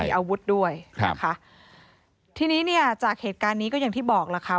มีอาวุธด้วยนะคะทีนี้เนี่ยจากเหตุการณ์นี้ก็อย่างที่บอกล่ะค่ะ